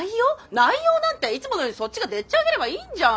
内容なんていつものようにそっちがでっちあげればいいんじゃん！